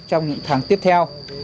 trong những tháng tiếp theo